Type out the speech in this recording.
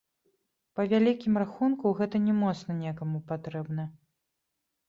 Па вялікім рахунку, гэта не моцна некаму патрэбна.